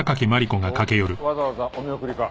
おっわざわざお見送りか？